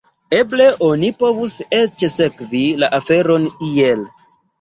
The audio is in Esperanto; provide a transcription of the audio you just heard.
Eble oni povus eĉ sekvi la aferon iel.